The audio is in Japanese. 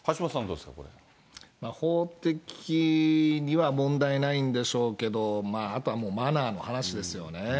法的には問題ないんでしょうけど、あとはもうマナーの話ですよね。